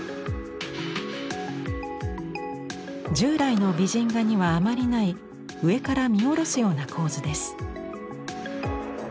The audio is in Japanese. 従来の美人画にはあまりない上から見下ろすような構図です。